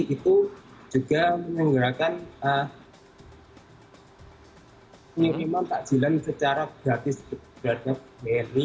itu juga menyerangkan penyiriman takjilan secara gratis ke bni